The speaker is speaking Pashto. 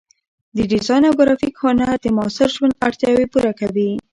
د ډیزاین او ګرافیک هنر د معاصر ژوند اړتیاوې پوره کوي.